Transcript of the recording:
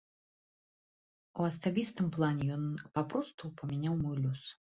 У асабістым плане ён папросту памяняў мой лёс.